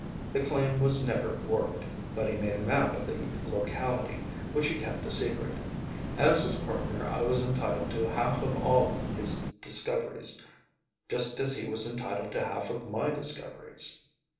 The claim was never worked, but he made a map of the locality, which he kept a secret. As his partner I was entitled to half of all of his discoveries, just as he was entitled to half of my discoveries.